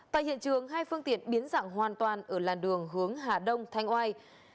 tại hiện trường hai phương tiện biến dạng hoàn toàn ở làn đường hướng hà đông thanh oai